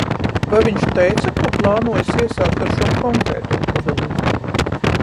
Vai viņš teica, ko plānojis iesākt ar šo konkrēto pudelīti?